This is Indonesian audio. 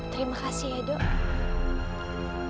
terima kasih ya dok